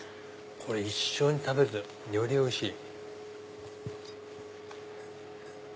一緒に食べるとよりおいしい！